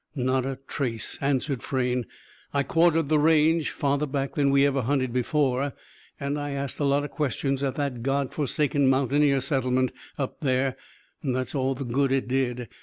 "Not a trace," answered Frayne. "I quartered the range, farther back than we ever hunted before. And I asked a lot of questions at that God forsaken mountaineer settlement, up there. That's all the good it did.